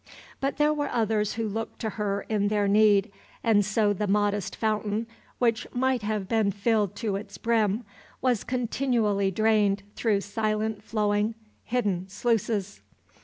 But there were others who looked to her in their need, and so the modest fountain which might have been filled to its brim was continually drained through silent flowing, hidden sluices.